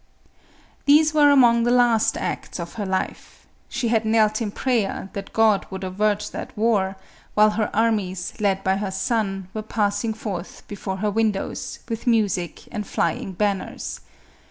These were among the last acts of her life. She had knelt in prayer that God would avert that war, while her armies, led by her son, were passing forth, before her windows, with music and flying banners.